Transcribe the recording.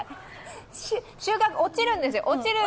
落ちるんですよ。